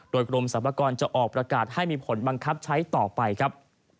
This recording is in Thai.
โดยกรมสรรพากรจะออกประกาศให้มีผลบังคับใช้ต่อไปครับ